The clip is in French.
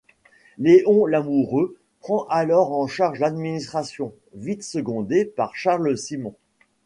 Léon Lamoureux prend alors en charge l’administration, vite secondé par Charles Simon.